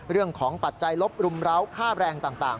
เรื่องของปัจจัยลบรุมร้าวค่าแรงต่าง